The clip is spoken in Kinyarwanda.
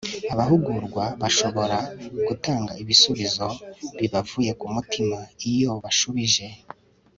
abahugurwa bashobora gutanga ibisubizo bibavuye ku mutima iyo bashubije